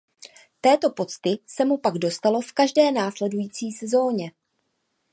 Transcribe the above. Této pocty se mu pak dostalo v každé následující sezóně.